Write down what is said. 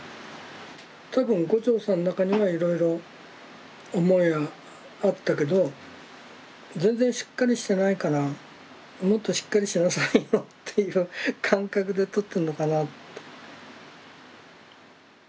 多分牛腸さんの中にはいろいろ思いはあったけど全然しっかりしてないからもっとしっかりしなさいよっていう感覚で撮ってんのかな。